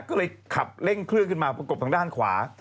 ก็เลยขับเร่งเครื่องขึ้นมาประกบทางด้านขวา